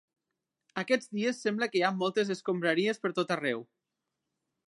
Aquests dies sembla que hi ha moltes escombraries per tot arreu